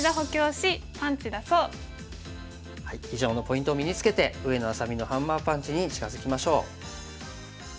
以上のポイントを身につけて上野愛咲美のハンマーパンチに近づきましょう。